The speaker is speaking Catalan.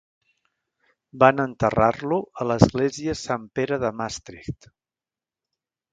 Van enterrar-lo a l'església Sant Pere de Maastricht.